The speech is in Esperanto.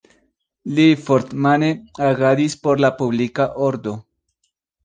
Li fort-mane agadis por la publika ordo.